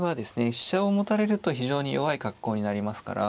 飛車を持たれると非常に弱い格好になりますから。